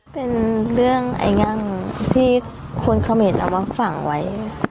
เป็นเรื่องไอ้งั่งที่คนเขมรเอามาฝังไว้